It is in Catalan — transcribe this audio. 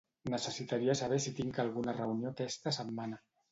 Necessitaria saber si tinc alguna reunió aquesta setmana.